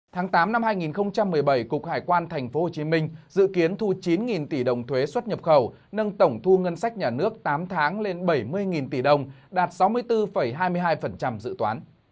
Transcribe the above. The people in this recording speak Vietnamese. tháng tám năm hai nghìn một mươi bảy cục hải quan tp hcm dự kiến thu chín tỷ đồng thuế xuất nhập khẩu nâng tổng thu ngân sách nhà nước tám tháng lên bảy mươi tỷ đồng đạt sáu mươi bốn hai mươi hai dự toán